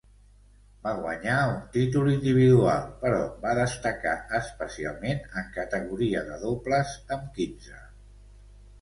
Va guanyar un títol individual però va destacar especialment en categoria de dobles amb quinze.